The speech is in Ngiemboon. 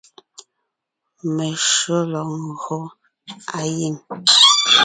Meshÿó lɔg ńgÿo á giŋ.